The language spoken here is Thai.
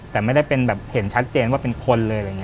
แต่ไม่ได้เห็นชัดเจนว่าเป็นคนเลย